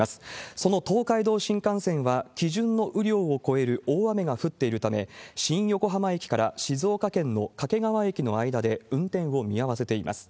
その東海道新幹線は、基準の雨量を超える大雨が降っているため、新横浜駅から静岡県の掛川駅の間で運転を見合わせています。